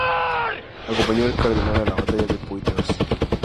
Acompañó al cardenal a la batalla de Poitiers.